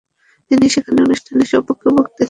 তিনি সেখানে অনুষ্ঠানের সপক্ষে বক্তৃতা করেন।